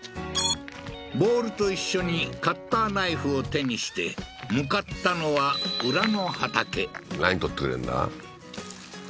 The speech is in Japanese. ボウルと一緒にカッターナイフを手にして向かったのは裏の何採ってくれるんだ？